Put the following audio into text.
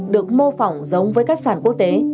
được mô phỏng giống với các sản quốc tế